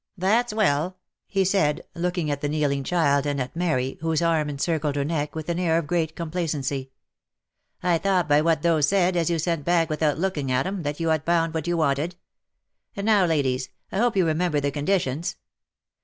u That's well," he said, looking at the kneeling child, and at Mary, whose arm encircled her neck, with an air of great complacency. " I thought by what those said, as you sent back without looking at 'em, that you had found what you wanted. And now, ladies, I hope you remember the conditions."